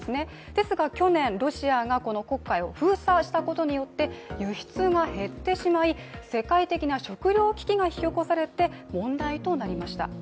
ですが去年、ロシアが黒海を封鎖したことによって輸出が減ってしまい世界的な食料危機が引き起こされて、問題となりました。